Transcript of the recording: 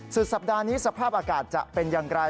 สุดสัปดาห์นี้สภาพอากาศจะเป็นอย่างไร